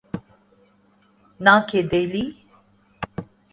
نہ کہ دہلی۔